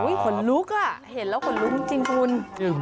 โอ้โฮขนลุกอ่ะเห็นแล้วขนลุกจริง